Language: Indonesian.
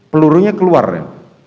pelurunya keluar ya